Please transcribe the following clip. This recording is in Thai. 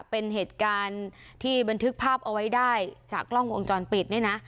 เป็นเหตุการณ์ที่บันทึกภาพเอาไว้ได้จากกล้องวงจรปิดเนี่ยนะ